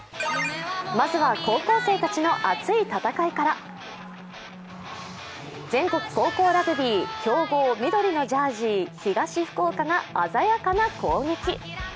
まずは、高校生たちの熱い戦いから全国高校ラグビー、強豪、緑のジャージー、東福岡が鮮やかな攻撃。